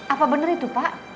apa bener itu pak